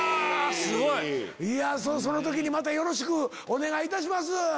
すごい！その時にまたよろしくお願いいたします。